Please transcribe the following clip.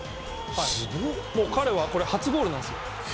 彼はこれ初ゴールなんですよ。